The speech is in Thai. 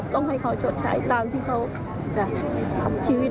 ต้องให้เขาชดใช้ตามที่เขาจะทำชีวิต